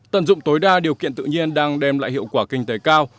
tận dụng tối đa điều kiện tự nhiên đang đem lại hiệu quả kinh tế cao